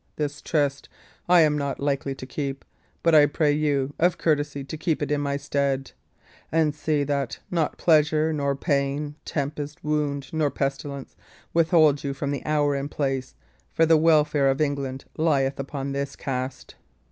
This tryst I am not like to keep, but I pray you, of courtesy, to keep it in my stead; and see that not pleasure, nor pain, tempest, wound, nor pestilence withhold you from the hour and place, for the welfare of England lieth upon this cast."